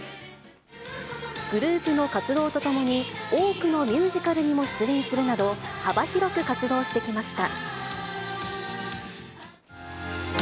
グループの活動とともに、多くのミュージカルにも出演するなど、幅広く活動してきました。